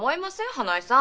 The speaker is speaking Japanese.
花井さん。